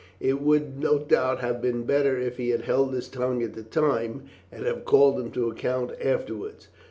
"It would no doubt have been better if he had held his tongue at the time, and have called him to account afterwards."